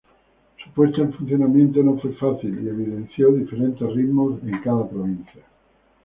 Su puesta en funcionamiento no fue fácil y evidenció diferentes ritmos en cada provincia.